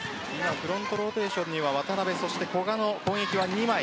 フロントローテーションには渡邊、古賀の攻撃は２枚。